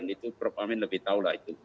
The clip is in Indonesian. itu prof amin lebih tahu